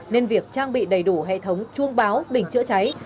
nên việc trang bị đầy đủ hệ thống chuông báo bình chữa cháy